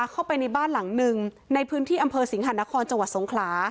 เข้าไปในบ้านหลังหนึ่งในพื้นที่อำเภอสิงหานครจังหวัดสงขลา